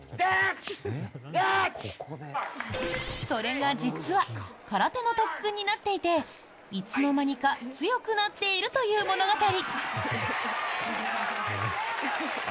それが実は空手の特訓になっていていつの間にか強くなっているという物語。